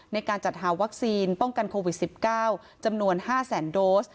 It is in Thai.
ในการจัดหาวัคซีนป้องกันโควิด๑๙จำนวน๕แสนโดส